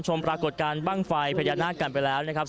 ปรากฏการณ์บ้างไฟพญานาคกันไปแล้วนะครับ